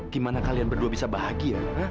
gimana kalian berdua bisa bahagia